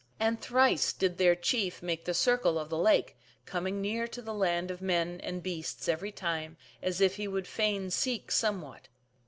And thrice did their chief make the circle of the lake, corning near to the land of men and beasts every time, as if he would fain seek somewhat.